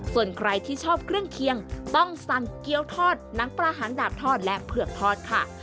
ส่วนใครที่ชอบเครื่องเคียงต้องสั่งเกี้ยวทอดหนังปลาหางดาบทอดและเผือกทอดค่ะ